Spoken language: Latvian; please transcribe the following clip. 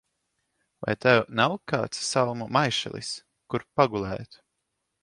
Vai tev nav kāds salmu maišelis, kur pagulēt?